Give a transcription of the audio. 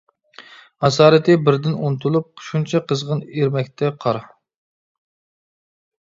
ئاسارىتى بىردىن ئۇنتۇلۇپ، شۇنچە قىزغىن ئېرىمەكتە قار.